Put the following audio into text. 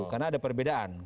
karena ada perbedaan